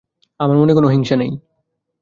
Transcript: আমার মনে কোন হিংসা নেই।